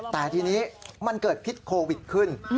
แต่ทีนี้มันเกิดพิษโควิดขึ้น